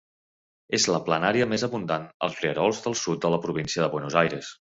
És la planària més abundant als rierols del sud de la província de Buenos Aires.